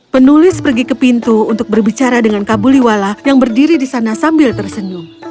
penulis pergi ke pintu untuk berbicara dengan kabuliwala yang berdiri di sana sambil tersenyum